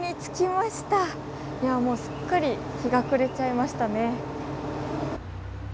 いやもうすっかり日が暮れちゃいましたね。